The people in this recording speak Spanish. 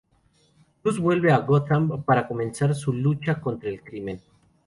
Bruce vuelve a Gotham para comenzar su lucha contra el crimen.